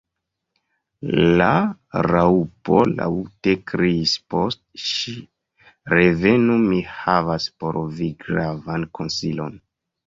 La Raŭpo laŭte kriis post ŝi. "Revenu! mi havas por vi gravan konsilon."